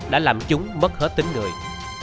đã làm chúng mất hết tính người